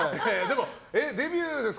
デビューですか？